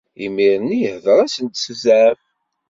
Imir-nni, ihder-asen-d s zzɛaf.